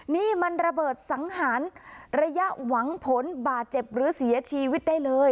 นี่มันระเบิดสังหารระยะหวังผลบาดเจ็บหรือเสียชีวิตได้เลย